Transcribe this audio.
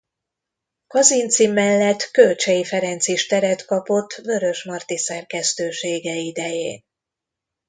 Kazinczy mellett Kölcsey Ferenc is teret kapott Vörösmarty szerkesztősége idején.